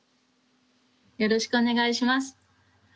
よろしくお願いします。